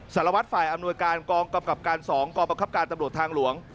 สารวัตรฝ่ายอำนวยการกองกำกับการ๒กรประคับการตำรวจทางหลวง